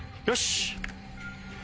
よし！